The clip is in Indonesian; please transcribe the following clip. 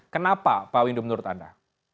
kenapa pak windu menurut anda